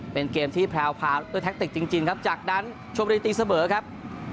เป็นเกมที่แพรลภาโต้แทคติกจริงจริงครับจากนั้นชวนผลิตีเสบอครับ